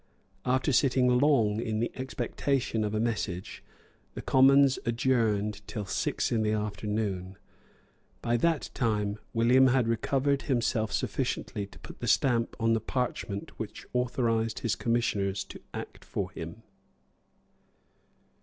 After sitting long in the expectation of a message, the Commons adjourned till six in the afternoon. By that time William had recovered himself sufficiently to put the stamp on the parchment which authorised his commissioners to act for him.